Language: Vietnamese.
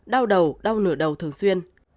tám đau đầu đau nửa đầu thường xuyên